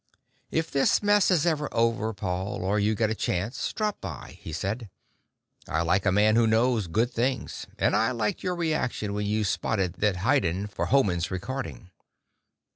"If this mess is ever over, Paul, or you get a chance, drop down," he said. "I like a man who knows good things and I liked your reaction when you spotted that Haydn for Hohmann's recording.